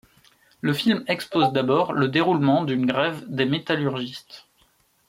Le film expose d'abord le déroulement d'une grève des métallurgistes.